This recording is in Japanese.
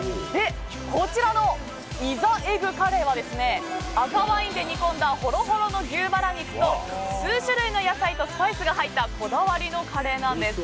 こちらの、いざえぐカレーは赤ワインで煮込んだほろほろの牛バラ肉と数種類の野菜とスパイスが入ったこだわりのカレーなんです。